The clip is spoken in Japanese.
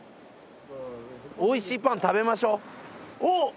おいしいパン食べましょ。